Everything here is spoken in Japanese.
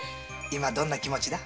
どんな気持ちだ？